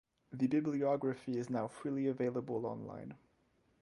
The bibliography is now freely available online.